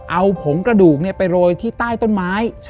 เอาผงกระดูกไปโรยที่ใต้ต้นไม้